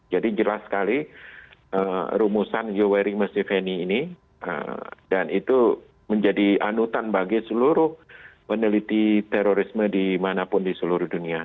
jadi jelas sekali rumusan you wearing must have any ini dan itu menjadi anutan bagi seluruh peneliti terorisme di manapun di seluruh dunia